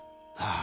あ。